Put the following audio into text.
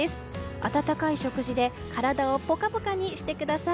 温かい食事で体をポカポカにしてください。